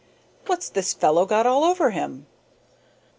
"What's this fellow got all over him?"